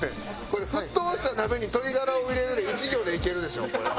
これ「沸騰した鍋に鶏ガラを入れる」で１行でいけるでしょこれ。